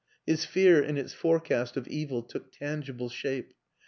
His fear in its forecast of evil took tangible shape.